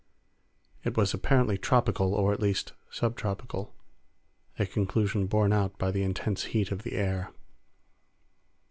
It was apparently tropical or at least sub tropical—a conclusion borne out by the intense heat of the air.